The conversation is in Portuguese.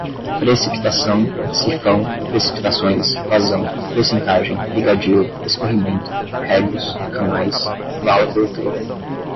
precipitação, sifão, precipitações, vazão, percentagem, regadio, escorrimento, regos, canais, vala coletora